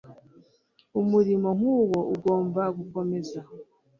Umurimo nk'uwo, ugomba gukomeza.